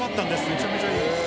めちゃめちゃいい。